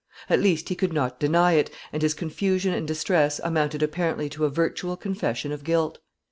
At least he could not deny it, and his confusion and distress amounted apparently to a virtual confession of guilt.